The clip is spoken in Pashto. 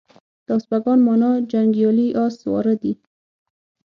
د اسپاگان مانا جنگيالي اس سواره دي